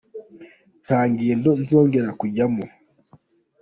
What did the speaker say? Nta ngendo nzongera kujyamo.